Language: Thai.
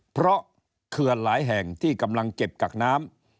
เพราะเขื่อนหลายแห่งที่กำลังเก็บกักน้ำ